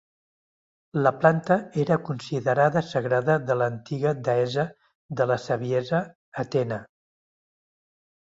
La planta era considerada sagrada de l'antiga deessa de la saviesa, Atena.